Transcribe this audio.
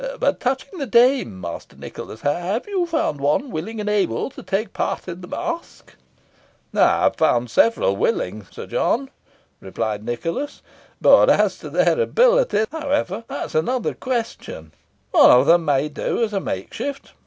But touching the dame, Master Nicholas have you found one willing and able to take part in the masque?" "I have found several willing, Sir John," replied Nicholas; "but as to their ability that is another question. However, one of them may do as a make shift.